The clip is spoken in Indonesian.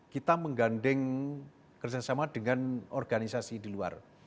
kita menggandeng kerjasama dengan organisasi di luar